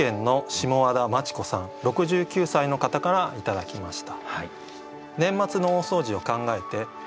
６９歳の方から頂きました。